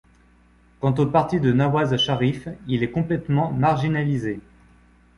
Quant au parti de Nawaz Sharif, il est complètement marginalisé.